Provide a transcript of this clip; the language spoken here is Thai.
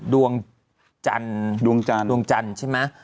ดวงจันทร์ใช่ไหม